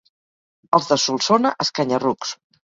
Els de Solsona, escanya-rucs.